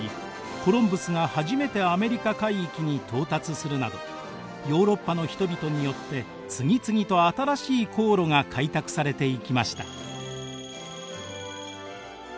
コロンブスが初めてアメリカ海域に到達するなどヨーロッパの人々によって次々と新しい航路が開拓されていきました。